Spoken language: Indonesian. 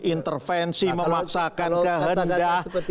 intervensi memaksakan kehendak